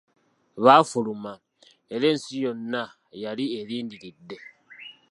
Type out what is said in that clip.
Baafuluma, era ensi yonna yali erindiridde.